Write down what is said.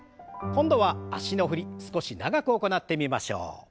今度は脚の振り少し長く行ってみましょう。